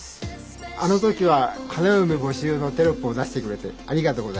あの時は花嫁募集のテロップを出してくれてありがとうございました。